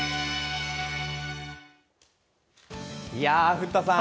古田さん